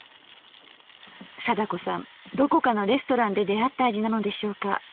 貞子さんどこかのレストランで出会った味なのでしょうか。